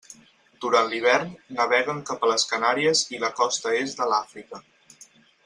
Durant l'hivern naveguen cap a les Canàries i la costa est de l'Àfrica.